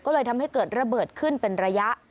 ให้เกิดระเบิดขึ้นเป็นระยะ